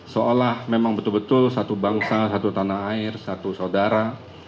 seolah memang betul betul satu bangsa satu tanah air satu saudara